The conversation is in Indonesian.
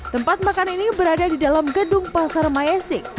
tempat makan ini berada di dalam gedung pasar majestic